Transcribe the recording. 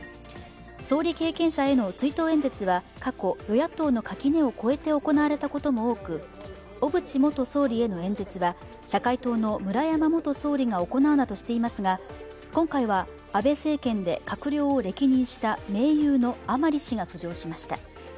総理経験者への追悼演説は過去、与野党の垣根を越えて行われたことも多く、小渕元総理への演説は社会党の村山元総理が行うなどしていますが、今回は安倍政権で閣僚を歴任した盟友の甘利氏が浮上しました。